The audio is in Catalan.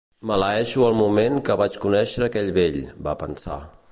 Maleeixo el moment que vaig conèixer aquell vell, va pensar.